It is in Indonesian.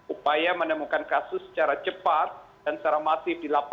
upaya menemukan kasus secara cepat dan secara maksimal